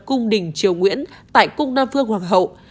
cung đình triều nguyễn tại cung đa phương hoàng hậu